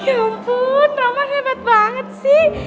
ya ampun romo hebat banget sih